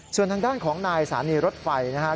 ส่วนทางด้านของนายสถานีรถไฟนะครับ